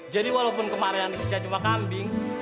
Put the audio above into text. jadi walaupun kemarin yang disisah cuma kambing